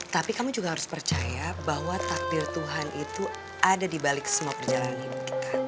tapi kamu juga harus percaya bahwa takdir tuhan itu ada di balik semua perjalanan hidup kita